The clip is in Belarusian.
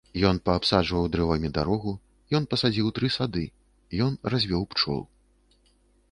Ён паабсаджваў дрэвамі дарогу, ён пасадзіў тры сады, ён развёў пчол.